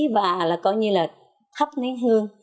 và là coi như là thắp nén hương